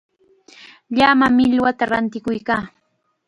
Llama millwata rantikuykaa.